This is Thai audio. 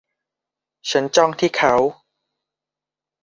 ฉันจ้องที่เขา